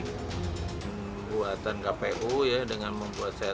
hai buatan kpu ya dengan membuat saya